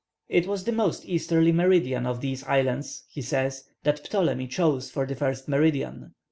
"It was the most easterly meridian of these islands," he says, "that Ptolemy chose for the first meridian.